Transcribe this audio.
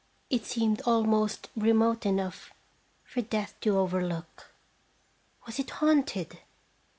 It seemed almost remote enough for Death to overlook. Was it haunted?